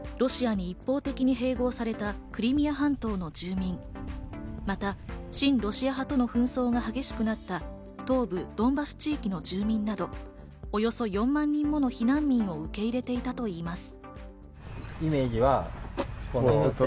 当時マリウポリは２０１４年にロシアに一方的に併合されたクリミア半島の住民、また親ロシア派との紛争が激しくなった東部ドンバス地域の住民など、およそ４万人もの避難民を受け入れていたといいます。